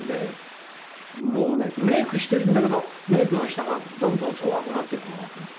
もうねメイクしているんだけどメイクの下がどんどん蒼白になっていくのがわかるんで。